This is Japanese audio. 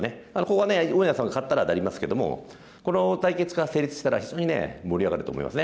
ここは上野さんが勝ったら当たりますけどもこの対決が成立したら非常に盛り上がると思いますね。